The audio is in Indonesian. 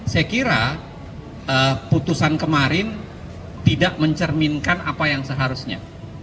saya kira putusan kemarin tidak mencerminkan apa yang seharusnya